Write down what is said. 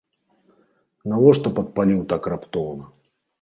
Навошта падпаліў так раптоўна?